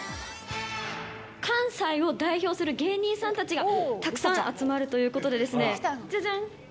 関西を代表する芸人さんたちが、たくさん集まるということでですね、じゃじゃん！